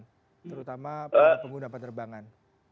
terutama para pengguna penerbangan